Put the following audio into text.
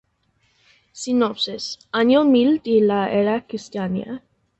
Sinopsis: Año mil de la Era Cristiana.